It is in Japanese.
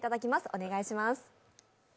お願いします。